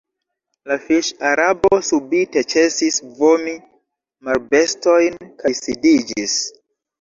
La fiŝ-Arabo subite ĉesis vomi marbestojn kaj sidiĝis.